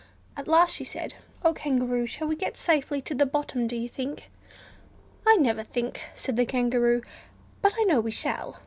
At last she said: "Oh, Kangaroo, shall we get safely to the bottom do you think?" "I never think," said the Kangaroo, "but I know we shall.